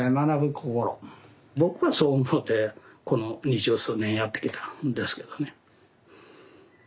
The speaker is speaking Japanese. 僕はそう思うてこの二十数年やってきたんですけどね。